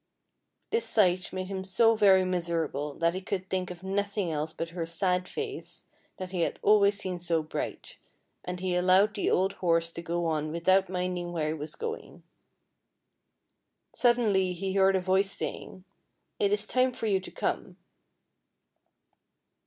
This sight made him so very miser able that he could think of nothing else but her sad face that he had always seen so bright, and he allowed the old horse to go on without minding where he was going. Suddenly he heard a voice saying :" It is time for you to come."